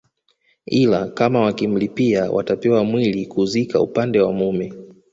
ila kama wakimlipia watapewa mwili kuzika upande wa mume